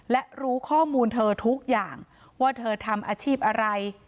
และรู้ข้อมูลเธอทุกอย่างว่าเธอทำอาชีพอะไร